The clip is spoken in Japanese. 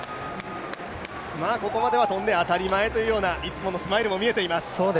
ここまでは跳んで当たり前といういつものスマイルも見えています。